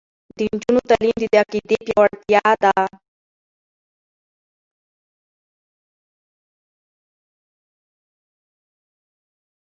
د نجونو تعلیم د عقیدې پیاوړتیا ده.